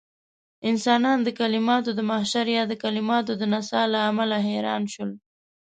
انسانان د کليماتو د محشر يا د کليماتو د نڅاه له امله حيران شول.